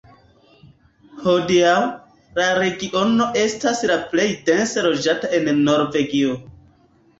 Hodiaŭ, la regiono estas la plej dense loĝata en Norvegio.